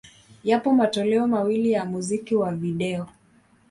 Yapo matoleo mawili ya muziki wa video.